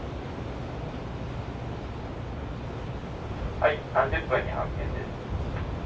「はい３０分に発見です」。